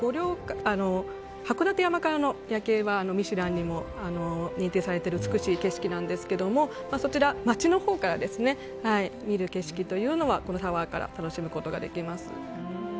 函館山からの夜景は「ミシュラン」にも認定されている美しい景色なんですけど街のほうから見る景色というのはこのタワーから楽しむことができます。